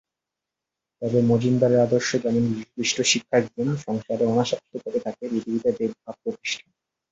তবে মজুমদারের আদর্শ, যেমন যীশুখ্রীষ্ট শিক্ষা দিতেন, সংসারে অনাসক্তভাবে থাকিয়া পৃথিবীতে দেবভাব-প্রতিষ্ঠা।